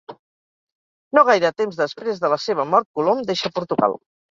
No gaire temps després de la seva mort Colom deixa Portugal.